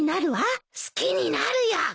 好きになるよ！